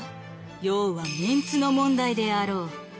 要はメンツの問題であろう。